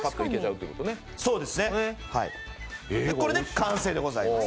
そうですね、これで完成でございます。